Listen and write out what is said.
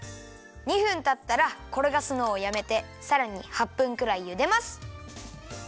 ２分たったらころがすのをやめてさらに８分くらいゆでます。